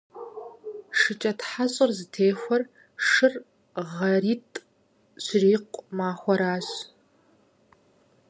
ШыкӀэтхьэщӀыр зытехуэр шыр гъэритӀ щрикъу махуэхэрщ.